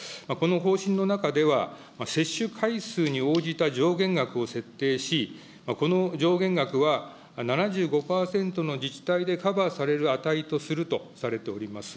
この方針の中では、接種回数に応じた上限額を設定し、この上限額は７５％の自治体でカバーされる値とするとされております。